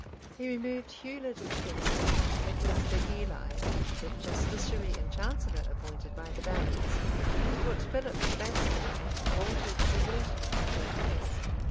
D. 667. He removed Hugh le Despenser and Nicholas de Ely, the justiciary and chancellor appointed by the barons; and put Philip Basset and Walter de Merton in their place.